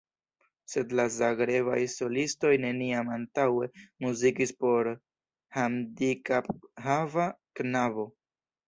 Sed la Zagrebaj solistoj neniam antaŭe muzikis por handikaphava knabo.